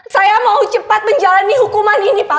saya mau cepat menjalani hukuman ini pak